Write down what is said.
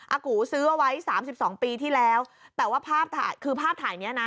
อากูซื้อเอาไว้๓๒ปีที่แล้วแต่ว่าภาพคือภาพถ่ายเนี้ยนะ